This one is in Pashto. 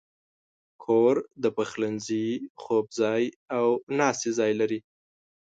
کور د پخلنځي، خوب ځای، او ناستې ځای لري.